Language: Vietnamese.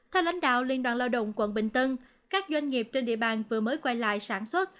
theo lãnh đạo liên đoàn lao động quận bình tân các doanh nghiệp trên địa bàn vừa mới quay lại sản xuất